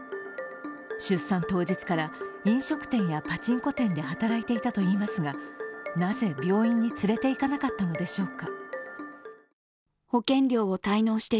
出産当日から飲食店やパチンコ店で働いていたといいますが、なぜ病院に連れていかなかったのでしょうか。